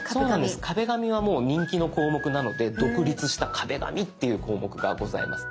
「壁紙」はもう人気の項目なので独立した「壁紙」っていう項目がございます。